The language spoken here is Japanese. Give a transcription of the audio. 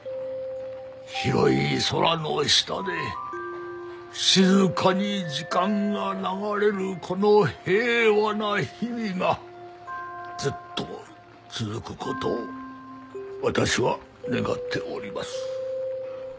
広い空の下で静かに時間が流れるこの平和な日々がずっと続く事を私は願っております。